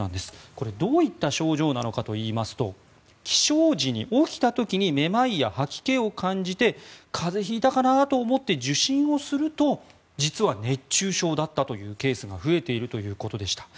これはどういった症状なのかといいますと起床時に、起きた時にめまいや吐き気を感じて風邪を引いたかなと思って受診すると実は熱中症だったというケースが増えているということでした。